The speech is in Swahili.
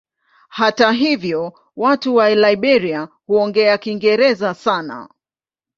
Hata hivyo watu wa Liberia huongea Kiingereza sana.